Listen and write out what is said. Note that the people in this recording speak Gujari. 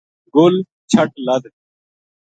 گل چھَٹ لَد